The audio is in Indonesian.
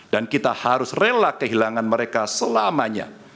dan kita harus rela kehilangan mereka selamanya